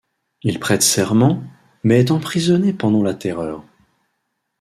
Il prête serment, mais est emprisonné pendant la Terreur.